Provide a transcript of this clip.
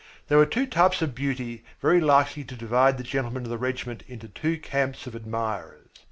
They were two types of beauty very likely to divide the gentlemen of the regiment into two camps of admirers.